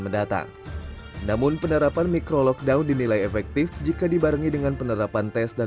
mendatang namun penerapan micro lockdown dinilai efektif jika dibarengi dengan penerapan tes dan